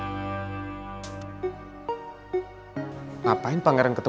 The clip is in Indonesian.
ripe ya langwek